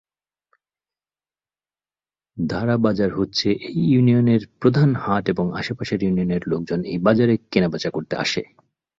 ধারা বাজার হচ্ছে এই ইউনিয়ন এর প্রধান হাট এবং আশেপাশের ইউনিয়নের লোকজন এই বাজারে কেনা বেচা করতে আসে।